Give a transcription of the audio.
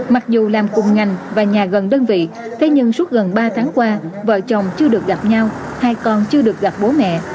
mặc dù làm cùng ngành và nhà gần đơn vị thế nhưng suốt gần ba tháng qua vợ chồng chưa được gặp nhau hai con chưa được gặp bố mẹ